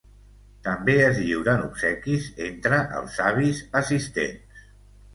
També es lliuren obsequis entre els avis assistents.